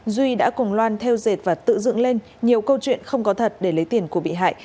duy đã cùng loan theo dệt và tự dựng lên nhiều câu chuyện không có thật để lấy tiền của bị hại